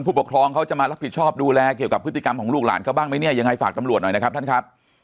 ผู้ปกครองเขาจะมารับผิดชอบดูแลเกี่ยวกับพฤติกรรมของลูกหลานเขาบ้างไหมเนี่ยยังไงฝากตำรวจหน่อยนะครับท่านครับ